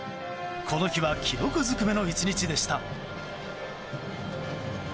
この日は記録ずくめの１日でした。